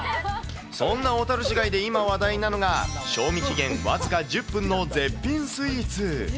そんな小樽市街で今話題なのが、賞味期限僅か１０分の絶品スイーツ。